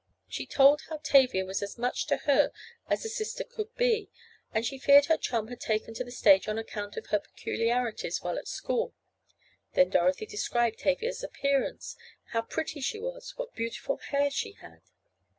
She told how Tavia was as much to her as a sister could be, and how she feared her chum had taken to the stage on account of her peculiarities while at school. Then Dorothy described Tavia's appearance—how pretty she was—what beautiful hair she had.